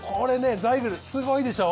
ザイグルすごいでしょ。